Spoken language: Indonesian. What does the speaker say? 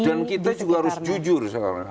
dan kita juga harus jujur